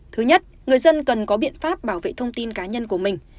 thứ nhất người dân cần có biện pháp bảo vệ thông tin cá nhân của mình